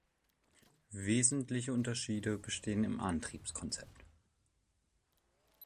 Wesentliche Unterschiede bestehen im Antriebskonzept.